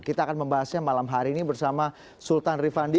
kita akan membahasnya malam hari ini bersama sultan rifandi